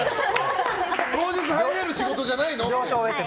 当日入れる仕事じゃないのって。